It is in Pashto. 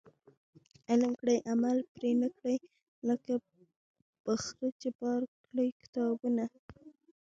علم کړي عمل پري نه کړي ، لکه په خره چي بار کړي کتابونه